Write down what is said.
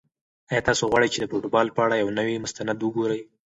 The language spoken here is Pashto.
آیا تاسو غواړئ چې د فوټبال په اړه یو نوی مستند وګورئ؟